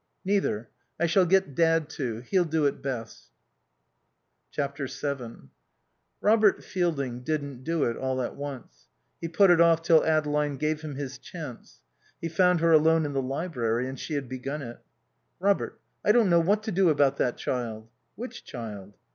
"Neither. I shall get Dad to. He'll do it best." vii Robert Fielding didn't do it all at once. He put it off till Adeline gave him his chance. He found her alone in the library and she had begun it. "Robert, I don't know what to do about that child." "Which child?"